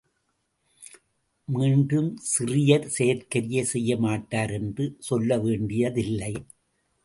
மீண்டும் சிறியர் செயற்கரிய செய்யமாட்டார் என்று சொல்லவேண்டியதில்லை.